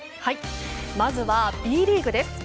まずはＢリーグです。